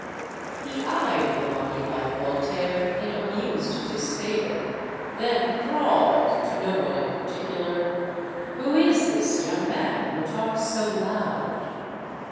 He eyed the monkey like Voltaire in amused disfavor; then drawled, to no one in particular: "Who is this young man who talks so loud?"